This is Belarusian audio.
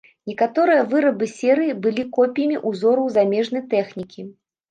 Некаторыя вырабы серыі былі копіямі ўзораў замежнай тэхнікі.